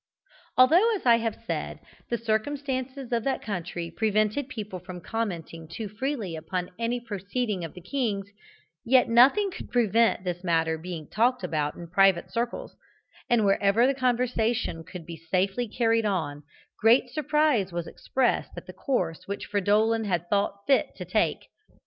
Although, as I have said, the circumstances of that country prevented people from commenting too freely upon any proceeding of the king's, yet nothing could prevent this matter being talked about in private circles, and wherever the conversation could be safely carried on great surprise was expressed at the course which Fridolin had thought fit to take.